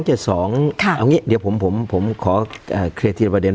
เอาอย่างนี้เดี๋ยวผมขอเคลียร์ทีละประเด็น